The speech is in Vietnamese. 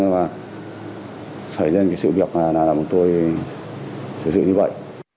và xảy ra cái sự việc là bọn tôi xử dụng như vậy